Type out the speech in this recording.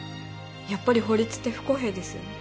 やっぱり法律って不公平ですよね。